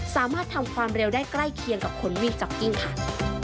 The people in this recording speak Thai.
สามารถทำความเร็วได้ใกล้เคียงกับคนวิ่งจ๊อกกิ้งค่ะ